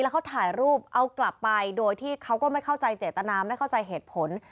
เขาถ่ายรูปเอากลับไปโดยที่เขาก็ไม่เข้าใจเจตนาไม่เข้าใจเหตุผล